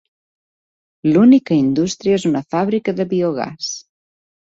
L'única indústria és una fàbrica de biogàs.